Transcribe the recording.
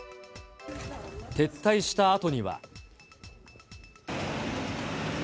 撤退したあとには。